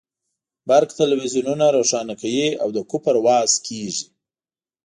برق تلویزیونونه روښانه کوي او د کفر وعظ کېږي.